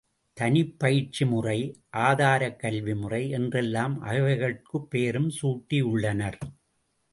தனிப் பயிற்சி முறை, ஆதாரக் கல்வி முறை என்றெல்லாம் அவைகட்குப் பெயரும் சூட்டியுள்ளனர்.